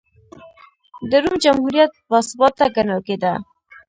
د روم جمهوریت باثباته ګڼل کېده.